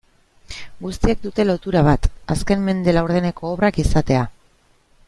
Guztiek dute lotura bat, azken mende laurdeneko obrak izatea.